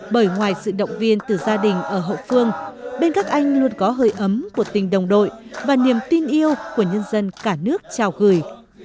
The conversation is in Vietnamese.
bởi ngoài sự động viên từ gia đình ở hậu phương bên các anh luôn có hơi ấm của tình đồng đội và niềm tin yêu của nhân dân cả nước chào gửi